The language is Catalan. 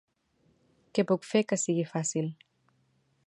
Què puc fer que sigui fàcil.